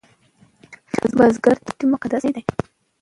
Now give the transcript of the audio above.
بزګر ته پټی مقدس ځای دی